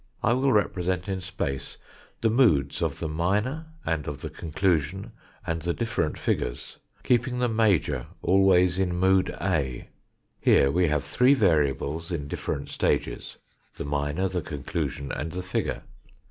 I will represent in space the moods of the minor and of the conclusion and the different figures, keeping the major always in mood A. Here we have three variables in different stages, the minor, the con clusion, and the figure.